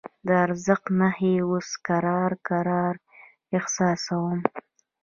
د زړښت نښې اوس کرار کرار احساسوم.